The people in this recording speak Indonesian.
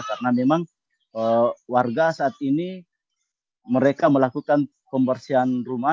karena memang warga saat ini mereka melakukan pembersihan rumah